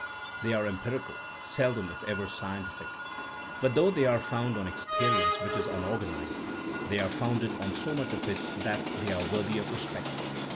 They are empirical; sel dom if ever scientific. But though they are founded on experience which is unorganized, they are founded on so much of it that they are worthy of respect.